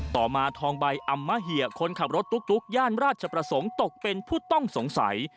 ต่อมาทองใบอำมะเหียคนขับรถตุ๊กย่านราชประสงค์ตกเป็นผู้ต้องสงสัย